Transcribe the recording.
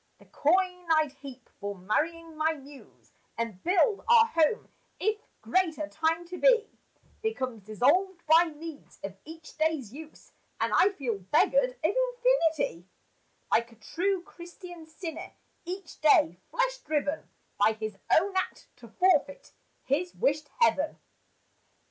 The coin I'd heap for marrying my Muse And build our home i'th' greater Time to be Becomes dissolved by needs of each day's use And I feel beggared of infinity, Like a true Christian sinner, each day flesh driven By his own act to forfeit his wished heaven.